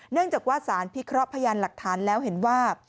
เนื่องจากว่าสารพิเคราะห์พยานหลักฐานแล้วเห็นว่า